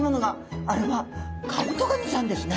あれはカブトガニちゃんですね。